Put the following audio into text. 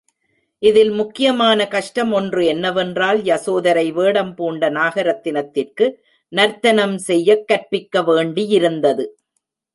இதில் முக்கியமான கஷ்டம் ஒன்று என்னவென்றால், யசோதரை வேடம் பூண்ட நாகரத்தினத்திற்கு நர்த்தனம் செய்யக் கற்பிக்க வேண்டியிருந்தது.